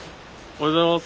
おはようございます。